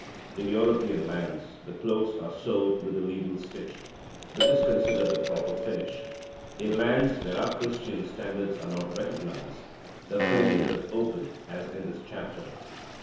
In European lands the cloaks are sewed with the legal stitch, which is considered the proper finish. In lands where our Christian standards are not recognized the thing is as open as in this chapter.